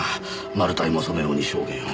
マル対もそのように証言を。